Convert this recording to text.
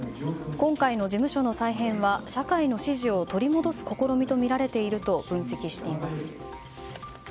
今回の事務所の再編は社会の支持を取り戻す試みとみられていると分析しています。